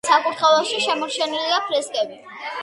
საკურთხეველში შემორჩენილია ფრესკები.